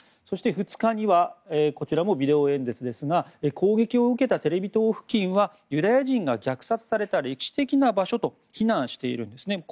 そして、２日にはこちらもビデオ演説ですが攻撃を受けたテレビ塔付近はユダヤ人が虐殺された歴史的な場所と非難しているんですね。